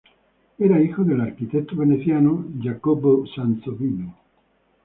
Era hijo del arquitecto veneciano Jacopo Sansovino.